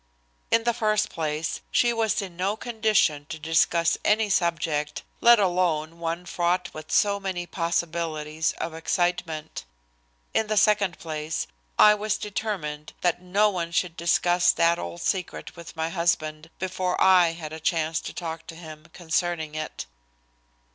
In the first place, she was in no condition to discuss any subject, let alone one fraught with so many possibilities of excitement. In the second place, I was determined that no one should discuss that old secret with my husband before I had a chance to talk to him concerning it.